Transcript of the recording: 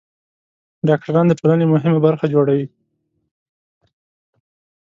ډاکټران د ټولنې مهمه برخه جوړوي.